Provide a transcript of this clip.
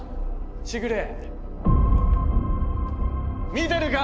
見てるか？